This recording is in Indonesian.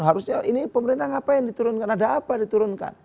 harusnya ini pemerintah ngapain diturunkan ada apa diturunkan